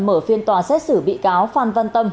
mở phiên tòa xét xử bị cáo phan văn tâm